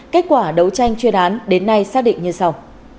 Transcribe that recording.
kết quả đấu tranh chuyên án đến nay xác định như sau